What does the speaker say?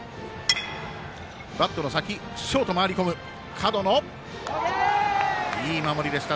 門野、いい守りでした。